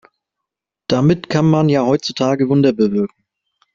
Damit kann man ja heutzutage Wunder bewirken.